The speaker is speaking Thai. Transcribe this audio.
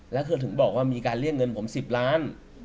แล้วเธอถึงบอกว่ามีการเรียกเงินผม๑๐ล้าน